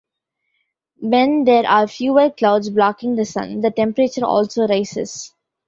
When there are fewer clouds blocking the sun, the temperature also rises.